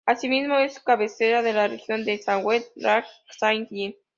Asimismo, es cabecera de la región de Saguenay–Lac-Saint-Jean.